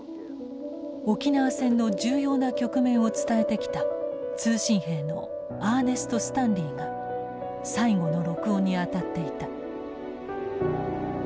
沖縄戦の重要な局面を伝えてきた通信兵のアーネスト・スタンリーが最後の録音に当たっていた。